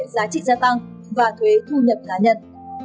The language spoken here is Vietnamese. giá trị gia tăng và thuế thu nhập cá nhân